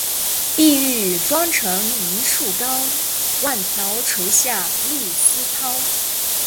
碧玉妆成一树高，万条垂下绿丝绦